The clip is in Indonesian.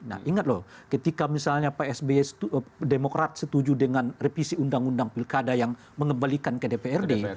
nah ingat loh ketika misalnya pak sby demokrat setuju dengan revisi undang undang pilkada yang mengembalikan ke dprd